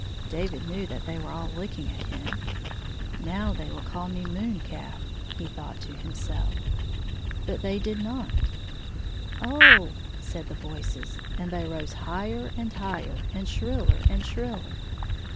David knew that they were all looking at him. " Now they will call me moon calf," he thought to himself. But they did not. " Oh h h !" said the voices, and they rose higher and higher, and shriller and shriller.